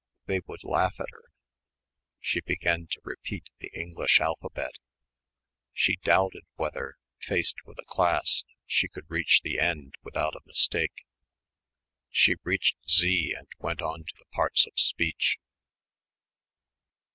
They would laugh at her.... She began to repeat the English alphabet.... She doubted whether, faced with a class, she could reach the end without a mistake.... She reached Z and went on to the parts of speech.